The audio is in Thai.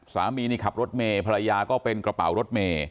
สามีนี่ขับรถเมภรรยาก็เป็นกระเป๋ารถเม